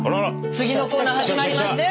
次のコーナー始まりましたよ